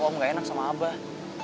om gak enak sama abah